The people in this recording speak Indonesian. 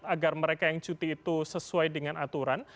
agar mereka yang cuti itu sesuai dengan aturan